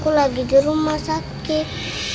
aku lagi di rumah sakit